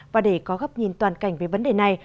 và để có góc nhìn toàn cảnh về vấn đề này